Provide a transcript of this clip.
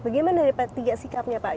bagaimana dari p tiga sikapnya pak